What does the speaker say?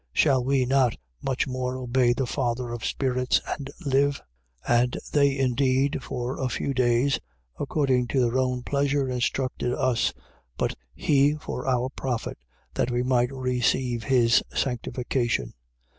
Shall we not much more obey the Father of spirits and live? 12:10. And they indeed for a few days, according to their own pleasure, instructed us: but he, for our profit, that we might receive his sanctification.